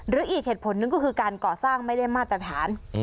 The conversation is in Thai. อีกเหตุผลหนึ่งก็คือการก่อสร้างไม่ได้มาตรฐาน